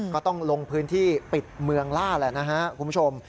ก็ต้องลงพื้นที่ปิดเมืองล่าแหละนะฮะคุณผู้ชม